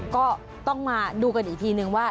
ก็ต้องมาดูกันอีกทีนึงว่า